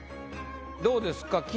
どうですか？